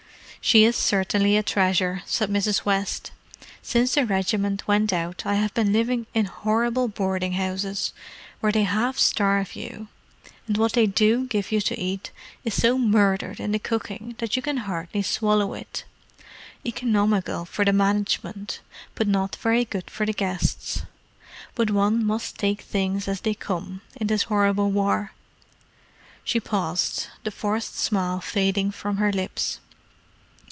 "She is certainly a treasure," said Mrs. West. "Since the regiment went out I have been living in horrible boarding houses, where they half starve you, and what they do give you to eat is so murdered in the cooking that you can hardly swallow it. Economical for the management, but not very good for the guests. But one must take things as they come, in this horrible war." She paused, the forced smile fading from her lips.